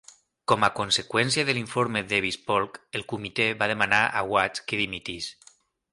Com a conseqüència de l'Informe Davis Polk, el comitè va demanar a Watts que dimitís.